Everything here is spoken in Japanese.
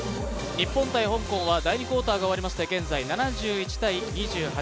日本×香港は、今、第２クオーターが終わりまして現在７１−２８。